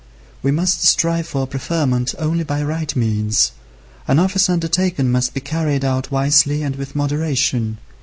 We must strive for preferment only by right means. An office undertaken must be carried out wisely and with moderation.